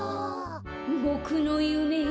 「ボクのゆめ」